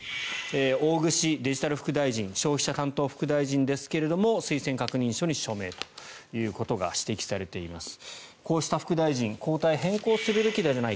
大串デジタル副大臣消費者担当副大臣ですが推薦確認書に署名ということが指摘されています。